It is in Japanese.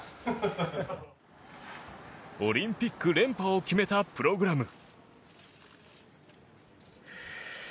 オリンピック連覇を決めたプログラム。